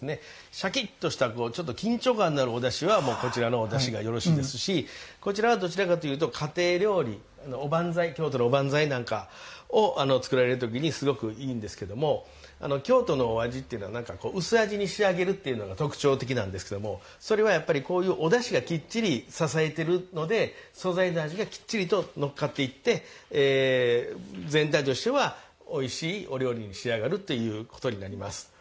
しゃきっとしたちょっと緊張感のあるおだしはこちらのおだしがよろしいですしこちらはどちらかというと家庭料理おばんざい京都のおばんざいなんかを作られるときにすごくいいんですけれども京都のお味というのはなんかこう薄味に仕上げるというのが特徴的なんですけれどもそれは、やっぱりこういうおだしがきっちり支えてるので素材の味がきっちりと乗っかっていって全体としてはおいしいお料理に仕上がるということになります。